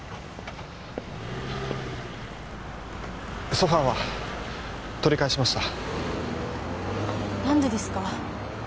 ソファーは取り返しました何でですか？